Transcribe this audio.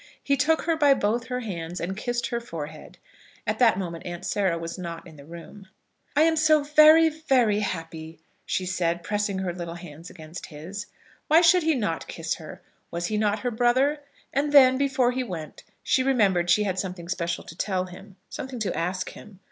He took her by both her hands, and kissed her forehead. At that moment Aunt Sarah was not in the room. "I am so very, very happy," she said, pressing her little hands against his. Why should he not kiss her? Was he not her brother? And then, before he went, she remembered she had something special to tell him; something to ask him.